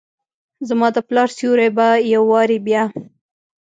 زماد پلار سیوری به ، یو وارې بیا،